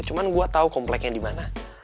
cuma gue tau kompleknya dimana